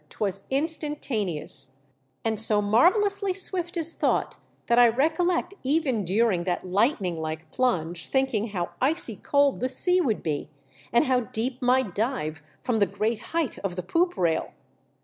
'Twas instantaneous ! And so marvellously swift is thought, that I recollect even during that lightning like plunge thinking how icy cold the sea would be, and how deep my dive from the great height of the poop rail.